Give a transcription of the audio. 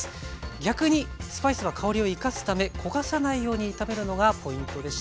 逆にスパイスは香りを生かすため焦がさないように炒めるのがポイントでした。